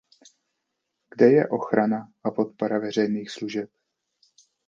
Kde je ochrana a podpora veřejných služeb?